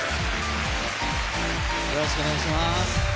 よろしくお願いします。